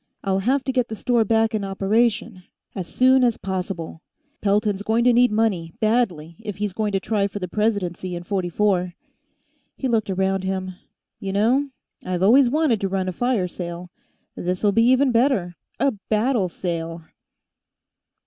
I'll have to get the store back in operation, as soon as possible. Pelton's going to need money, badly, if he's going to try for the presidency in '44." He looked around him. "You know, I've always wanted to run a fire sale; this'll be even better a battle sale!"